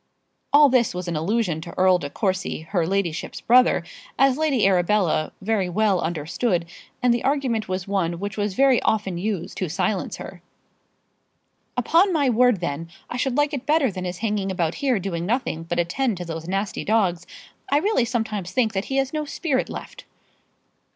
All this was an allusion to Earl de Courcy, her ladyship's brother, as Lady Arabella very well understood; and the argument was one which was very often used to silence her. "Upon my word, then, I should like it better than his hanging about here doing nothing but attend to those nasty dogs. I really sometimes think that he has no spirit left."